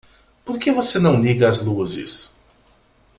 Por que você não liga as luzes?